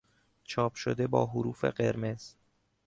چاپ شده با حروف قرمز